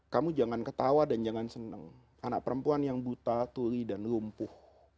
kamu jangan ketawa dan jangan senang anak perempuan yang buta tuli dan lumpuh